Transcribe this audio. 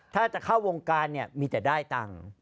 ถ้าจะเข้าวงการเนี่ยมีแต่ได้ตังค์